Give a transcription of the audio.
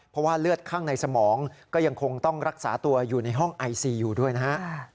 เพราะว่าเลือดข้างในสมองก็ยังคงต้องรักษาตัวอยู่ในห้องไอซีอยู่ด้วยนะฮะ